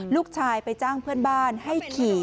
ลูกชายไปจ้างเพื่อนบ้านให้ขี่